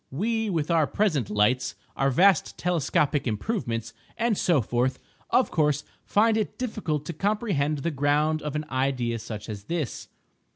We, with our present lights, our vast telescopic improvements, and so forth, of course find it difficult to comprehend the ground of an idea such as this.